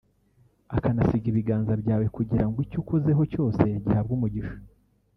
akanasiga ibiganza byawe kugira ngo icyo ukozeho cyose gihabwe umugisha